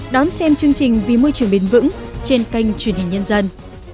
đón xem chương trình vì môi trường bền vững trên kênh truyền hình nhân dân